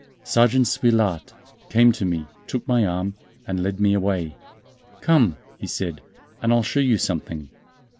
Sergeant Suilhard came to me, took my arm, and led me away. "Come," he said, "and I'll show you something."